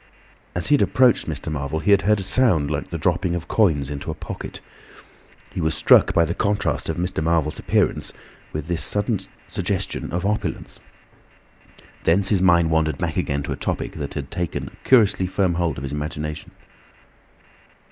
As he had approached Mr. Marvel he had heard a sound like the dropping of coins into a pocket. He was struck by the contrast of Mr. Marvel's appearance with this suggestion of opulence. Thence his mind wandered back again to a topic that had taken a curiously firm hold of his imagination.